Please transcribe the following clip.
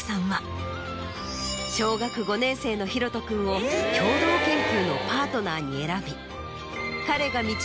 小学５年生の洋翔君を共同研究のパートナーに選び。